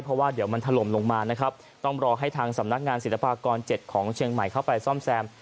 เพราะว่าเดี๋ยวมันถล่มลงมานะครับต้องรอให้ทางสำนักงานศิลปากร๗ของเชียงใหม่เข้าไปซ่อมแซม